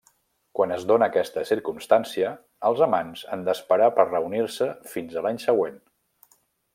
Quan es dóna aquesta circumstància, els amants han d'esperar per reunir-se fins a l'any següent.